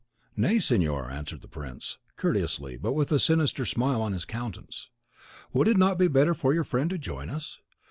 "Nay, signor," answered the prince, courteously, but with a sinister smile on his countenance, "would it not be better for your friend to join us?